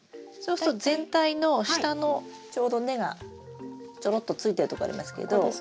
そうすると全体の下のちょうど根がちょろっとついてるとこありますけど。